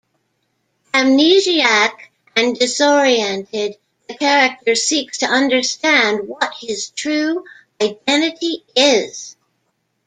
Amnesiac and disorientated, the character seeks to understand what his true identity is.